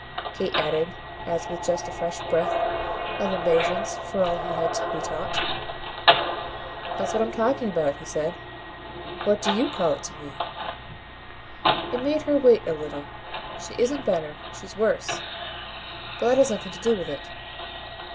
Kate added as with just a fresh breath of impatience for all he had to be taught. "That's what I'm talking about," he said. "What do you call it to me?" It made her wait a little. "She isn't better. She's worse. But that has nothing to do with it."